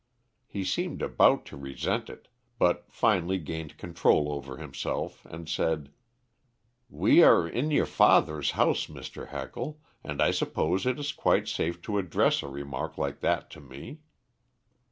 He seemed about to resent it, but finally gained control over himself and said "We are in your father's house, Mr. Heckle, and I suppose it is quite safe to address a remark like that to me!"